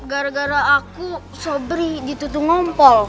gara gara aku sobri gitu tuh ngompol